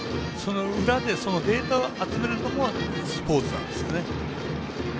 裏で、データ集めるのもスポーツなんですよね。